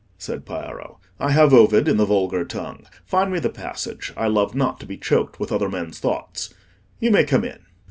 said Piero. "I have Ovid in the vulgar tongue. Find me the passage. I love not to be choked with other men's thoughts. You may come in."